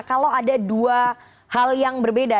kalau ada dua hal yang berbeda